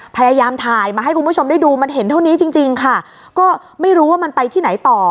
พยายามถ่ายมาให้คุณผู้ชมได้ดูมันเห็นเท่านี้จริงจริงค่ะก็ไม่รู้ว่ามันไปที่ไหนต่อ